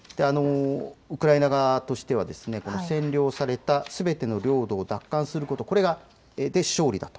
ウクライナ側としては占領されたすべての領土を奪還すること、これで勝利だと。